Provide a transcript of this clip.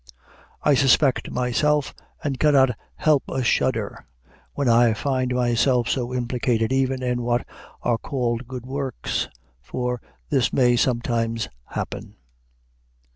I suspect myself, and cannot help a shudder, when I find myself so implicated even in what are called good works, for this may sometimes happen.